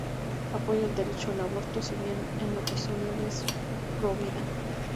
Apoya el derecho al aborto, si bien en lo personal es pro-vida.